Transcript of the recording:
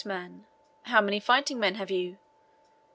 M. "How many fighting men have you?"